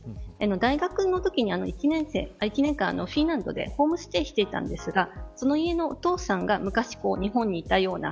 大学のときに、１年間フィンランドでホームステイしていたんですがその家のお父さんが昔、日本にいたよな